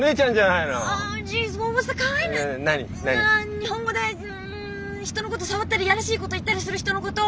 日本語でん人のこと触ったり嫌らしいこと言ったりする人のことを。